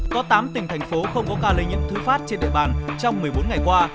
có tám tỉnh thành phố không có ca lây nhiễm thứ phát trên địa bàn trong một mươi bốn ngày qua